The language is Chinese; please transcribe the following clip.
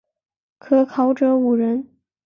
可考者五人。